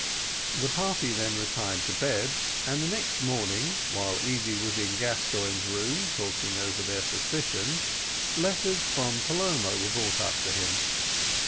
The party then retired to bed, and the next morning, while Easy was in Gascoigne's room talking over their suspicions, letters from Palermo were brought up to him.